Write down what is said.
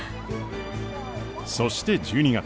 そして１２月。